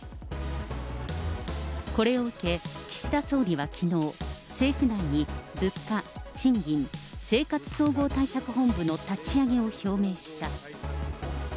これを受け、岸田総理はきのう、政府内に物価・賃金・生活総合対策本部の立ち上げを表明した。